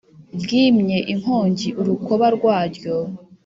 ryimye inkongi urukoba rwaryo